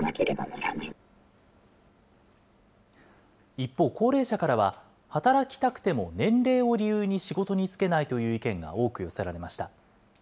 一方、高齢者からは、働きたくても年齢を理由に仕事に就けないという意見が多く寄せられました。